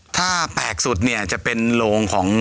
ถ้าแปลกสุดเนี่ยจะเป็นโรงของ